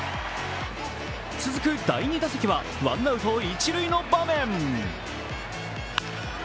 続く第２打席はワンアウト一塁の場面。